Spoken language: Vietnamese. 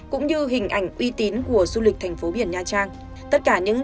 cũng như hình ảnh uy tín của du lịch thành phố biển nha trang